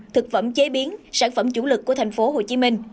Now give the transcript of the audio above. thực phẩm chế biến sản phẩm chủ lực của tp hcm